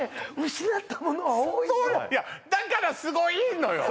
失ったものは多いぞいやだからすごいのよ